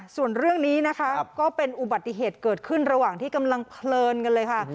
ส่วนเรื่องนี้นะคะก็เป็นอุบัติเหตุเกิดขึ้นระหว่างที่กำลังเพลินกันเลยค่ะ